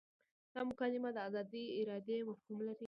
دا مکالمه د ازادې ارادې مفهوم لري.